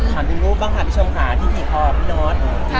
ถามรูปบ้างค่ะที่ขอพี่น็อต